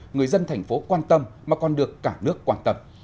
người dân thành phố quan tâm mà còn được cả nước quan tâm